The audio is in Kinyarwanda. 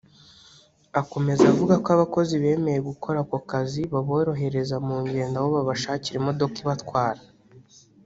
Akomeza avuga ko abakozi bemeye gukora ako kazi baborohereza mu ngendo aho babashakira imodoka ibatwara